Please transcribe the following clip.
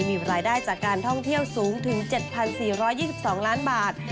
มีรายได้จากการท่องเที่ยวสูงถึง๗๔๒๒ล้านบาท